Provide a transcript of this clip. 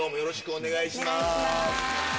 お願いします。